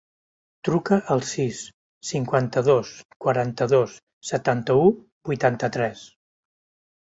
Truca al sis, cinquanta-dos, quaranta-dos, setanta-u, vuitanta-tres.